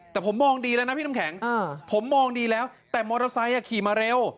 แต่ผมมองดีแล้วนะพี่น้ำแข็งผมมองดีแล้วแต่มอเตอร์ไซค์ขี่มาเร็ว